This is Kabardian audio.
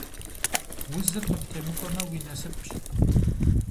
Узыр къыптемыкӀуэмэ, уи насыпщ.